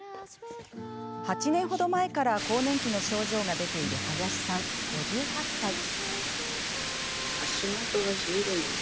８年ほど前から更年期の症状が出ている林さん、５８歳。